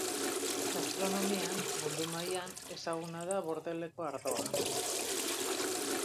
Gastronomian, mundu mailan ezaguna da Bordeleko ardoa.